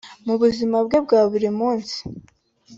Mu buzima bwe bwa buri munsi